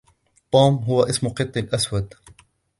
توم هو إسم قطي الأسود.